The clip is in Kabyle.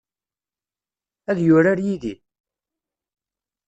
Ad yurar yid-i?